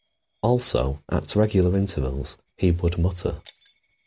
Also, at regular intervals, he would mutter.